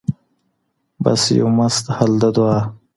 بس یو مست حل د دعا